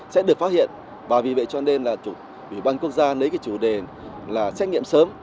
không được phát hiện và vì vậy cho nên là vĩnh văn quốc gia lấy cái chủ đề là xét nghiệm sớm